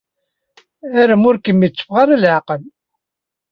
Arem ur k-yetteffeɣ ara leɛqel.